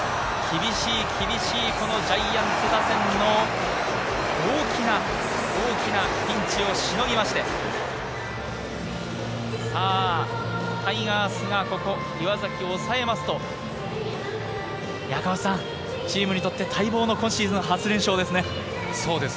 厳しいジャイアンツ打線の大きなピンチをしのぎまして、タイガースがここ、岩崎を抑えますとチームにとって待望の今シーズン初連勝ですね。